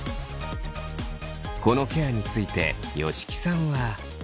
このケアについて吉木さんは。